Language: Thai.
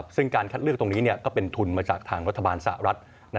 ซึ่งการคัดเลือกตรงนี้ก็เป็นทุนมาจากทางรัฐบาลสหรัฐ